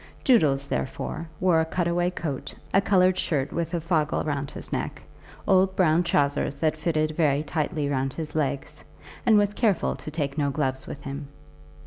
Doodles, therefore, wore a cut away coat, a coloured shirt with a fogle round his neck, old brown trowsers that fitted very tightly round his legs, and was careful to take no gloves with him.